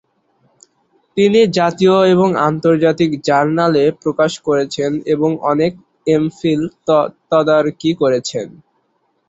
তিনি জাতীয় এবং আন্তর্জাতিক জার্নালে প্রকাশ করেছেন এবং অনেক এমফিল তদারকি করেছেন।